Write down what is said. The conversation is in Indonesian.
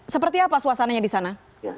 seperti apa suasananya di sana